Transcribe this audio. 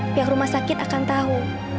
pihak rumah sakit akan tahu